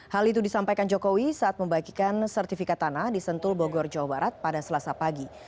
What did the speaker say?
hal itu disampaikan jokowi saat membagikan sertifikat tanah di sentul bogor jawa barat pada selasa pagi